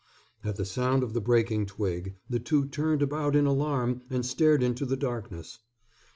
At the sound of the breaking twig the two turned about in alarm and stared into the darkness.